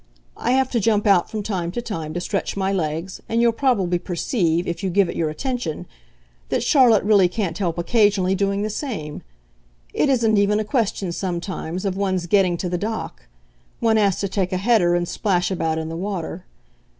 I have to jump out from time to time to stretch my legs, and you'll probably perceive, if you give it your attention, that Charlotte really can't help occasionally doing the same. It isn't even a question, sometimes, of one's getting to the dock one has to take a header and splash about in the water.